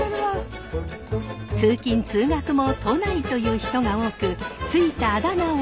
通勤通学も都内という人が多く付いたあだ名は？